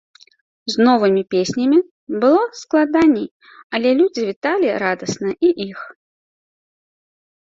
З новымі песнямі было складаней, але людзі віталі радасна і іх.